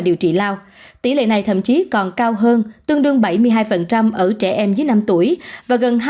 điều trị lao tỷ lệ này thậm chí còn cao hơn tương đương bảy mươi hai ở trẻ em dưới năm tuổi và gần